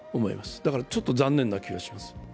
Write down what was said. だからちょっと残念な気がします。